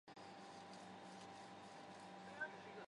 大量的湖州商人在当时陈其美的上海督军府任要职。